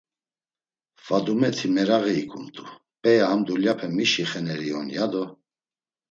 Fadumeti meraği ikumt̆u p̌ea ham dulyape mişi xeneri on, ya do.